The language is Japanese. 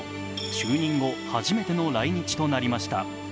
就任後初めての来日となりました。